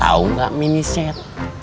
tau gak miniset